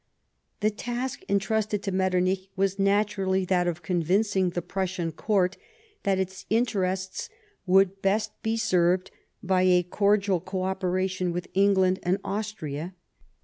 The task entrusted to Metternich was naturally that of convincing the Prussian Court that its interests would best be served by a cordial co operation with England and Austria.